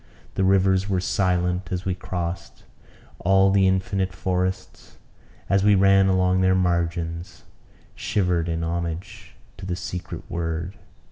The rivers were silent as we crossed. All the infinite forests, as we ran along their margins, shivered in homage to the secret word.